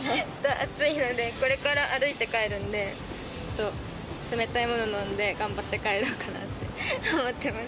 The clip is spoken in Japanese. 暑いので、これから歩いて帰るんで、ちょっと冷たいもの飲んで、頑張って帰ろうかなって思ってます。